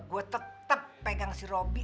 gua tetep pegang si robi